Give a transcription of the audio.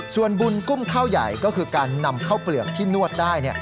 ส่วนบุญกุ้มข้าวใหญ่ก็คือการนำข้าวเปลือกที่นวดได้